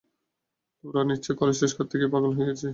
তোমরা নিশ্চয় কলেজ শেষ করতে গিয়ে পাগল হয়ে গিয়েছো।